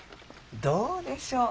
どうでしょう。